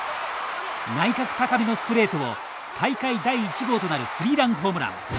内角高めのストレートを大会第１号となるスリーランホームラン。